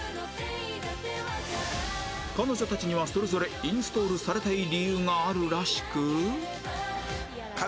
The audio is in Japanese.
彼女たちにはそれぞれインストールされたい理由があるらしく